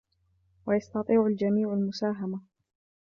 ويستطيع الجميعُ المساهمةَ.